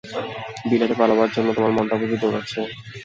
বিলেত পালাবার জন্যে তোমার মনটা বুঝি দৌড়চ্ছে?